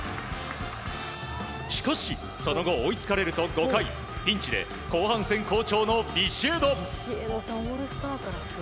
しかし、その後追いつかれると５回ピンチで後半戦好調のビシエド。